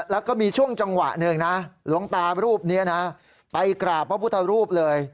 แล้วก็มีช่วงจังหวะหนึ่งนะหลวงตารูปนี้นะไปกราบพระพุทธรูปเลย